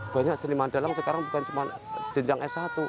banyak seniman dalang sekarang bukan cuma jenjang s satu